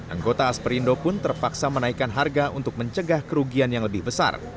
anggota asperindo pun terpaksa menaikkan harga untuk mencegah kerugian yang lebih besar